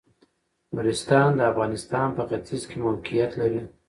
نورستان د افغانستان په ختيځ کې موقيعت لري.